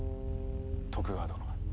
徳川殿。